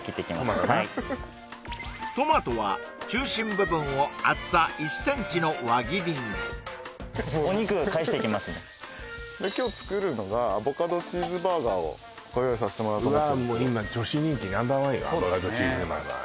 トマトなトマトは中心部分を厚さ１ｃｍの輪切りにお肉返していきますんで今日作るのがアボカドチーズバーガーをご用意させてもらおうと思ってるんですけど今女子人気Ｎｏ．１よアボカドチーズバーガー